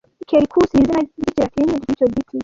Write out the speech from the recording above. kerikus ni izina ry'ikilatini ry'icyo giti